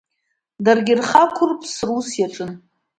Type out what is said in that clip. Даргьы рхы ақәырԥс рус иаҿын.